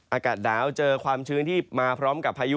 อากาศหนาวเจอความชื้นที่มาพร้อมกับพายุ